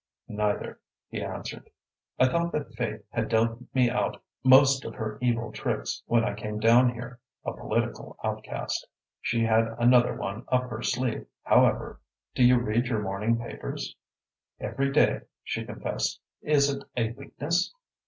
"Neither," he answered. "I thought that Fate had dealt me out most of her evil tricks when I came down here, a political outcast. She had another one up her sleeve, however. Do you read your morning papers?" "Every day," she confessed. "Is it a weakness?"